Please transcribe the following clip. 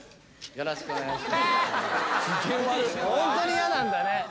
よろしくお願いします」